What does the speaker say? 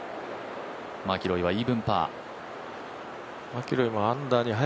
マキロイはイーブンパー。